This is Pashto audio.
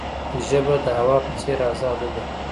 ژبه د هوا په څیر آزاده ده.